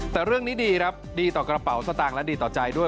แต่เรื่องนี้ดีครับดีต่อกระเป๋าสตางค์และดีต่อใจด้วย